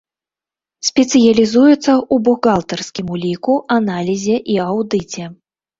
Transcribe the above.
Спецыялізуецца ў бухгалтарскім уліку, аналізе і аўдыце.